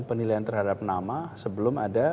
penilaian terhadap nama sebelum ada